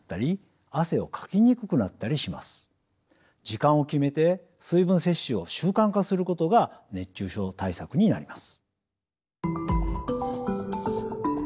時間を決めて水分摂取を習慣化することが熱中症対策になります。